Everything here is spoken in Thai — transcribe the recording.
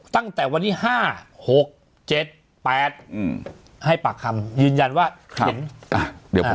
ตั้งแต่วันนี้๕๖๗๘ให้ปากคำยืนยันว่าเห็น